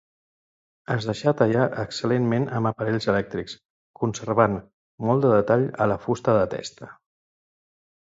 Es deixar tallar excel·lentment amb aparells elèctrics, conservant molt de detall a la fusta de testa.